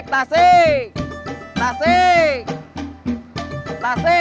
tasi tasi tasi